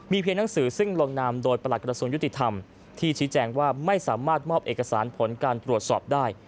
เพียงหนังสือซึ่งลงนามโดยประหลักกระทรวงยุติธรรมที่ชี้แจงว่าไม่สามารถมอบเอกสารผลการตรวจสอบได้